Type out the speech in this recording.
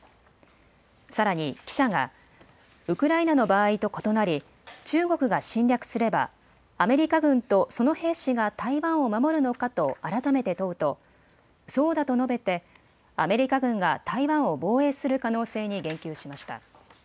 さらに記者がウクライナの場合と異なり中国が侵略すればアメリカ軍とその兵士が台湾を守るのかと改めて問うとそうだと述べて、アメリカ軍が台湾を防衛する可能性に言及しました。